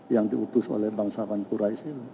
yang diutus oleh bangsawan quraish